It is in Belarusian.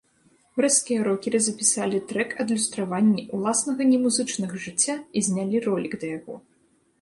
Брэсцкія рокеры запісалі трэк-адлюстраванне ўласнага немузычнага жыцця і знялі ролік да яго.